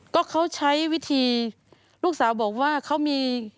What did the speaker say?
ก็เขาใช้วิธีลูกสาวบอกว่าเขามี